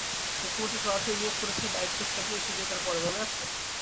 মুখ্যমন্ত্রী সরাসরি নিয়োগ করেছে, বাইক রেস চ্যাম্পিয়নশিপ জেতার পরে, মনে আছে?